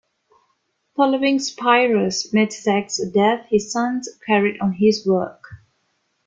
Following Spyros Metaxas's death, his sons carried on his work.